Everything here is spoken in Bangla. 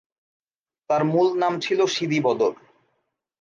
তার মূল নাম ছিল সিদি বদর।